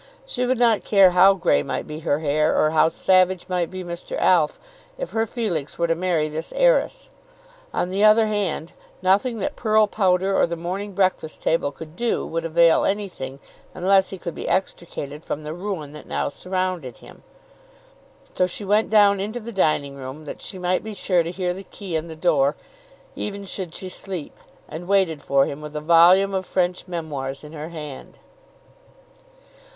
She would not care how grey might be her hair, or how savage might be Mr. Alf, if her Felix were to marry this heiress. On the other hand, nothing that pearl powder or the "Morning Breakfast Table" could do would avail anything, unless he could be extricated from the ruin that now surrounded him. So she went down into the dining room, that she might be sure to hear the key in the door, even should she sleep, and waited for him with a volume of French memoirs in her hand.